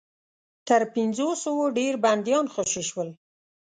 تر پنځوسو ډېر بنديان خوشي شول.